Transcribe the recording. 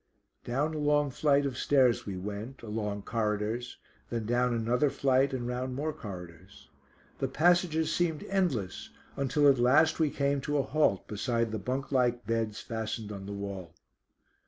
Down a long flight of stairs we went, along corridors, then down another flight and round more corridors. The passages seemed endless, until at last we came to a halt beside the bunk like beds fastened on the wall.